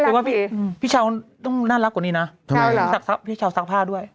น่ารักพี่อืมพี่เช้าต้องน่ารักกว่านี้น่ะทำไมพี่เช้าสักผ้าด้วย